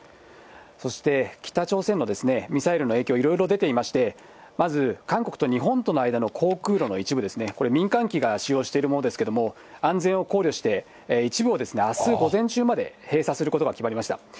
そして北朝鮮のミサイルの影響、いろいろ出ていまして、まず、韓国と日本との間の航空路の一部ですね、これ、民間機が使用しているものですけれども、安全を考慮して、一部をあす午前中まで閉鎖することが決まりました。